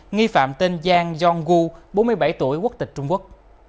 nghi phạm tên giang jong u bốn mươi bảy tuổi quốc tịch trung quốc